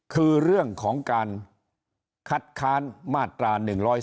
คือเรื่องของการคัดค้านมาตรา๑๔